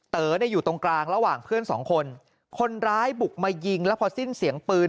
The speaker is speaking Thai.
เต๋อเนี่ยอยู่ตรงกลางระหว่างเพื่อนสองคนคนร้ายบุกมายิงแล้วพอสิ้นเสียงปืน